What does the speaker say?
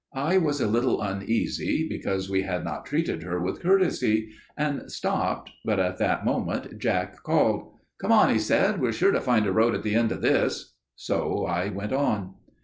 I was a little uneasy, because we had not treated her with courtesy, and stopped, but at that moment Jack called. "'Come on,' he said, 'we're sure to find a road at the end of this.' "So I went on.